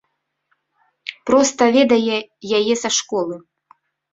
Проста ведае яе са школы.